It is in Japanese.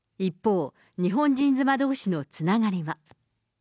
一方、日本人妻どうしのつながりは。